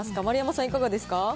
丸山さん、いかがですか。